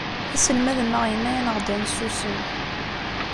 Aselmad-nneɣ yenna-aneɣ-d ad nsusem.